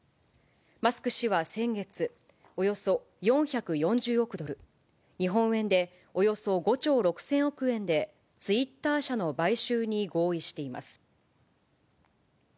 マスク氏は先月、およそ４４０億ドル、日本円でおよそ５兆６０００億円でツイッター社の買収に合意しています。